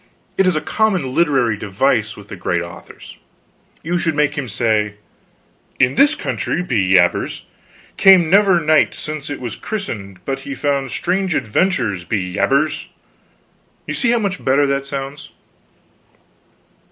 It is a common literary device with the great authors. You should make him say, 'In this country, be jabers, came never knight since it was christened, but he found strange adventures, be jabers.' You see how much better that sounds."